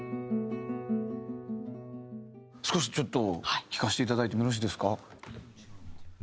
ちょっと聴かせていただいてもよろしいですか？